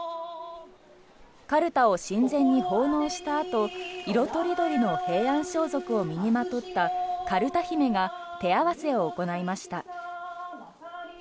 かるたを神前に奉納したあと色とりどりの平安装束を身にまとった、かるた姫が手合わせを行いました。